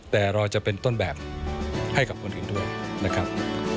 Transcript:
แต่เราจะเป็นต้นแบบให้กับคนอื่นด้วยนะครับ